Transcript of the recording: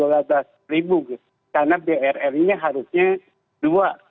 karena brr nya harusnya dua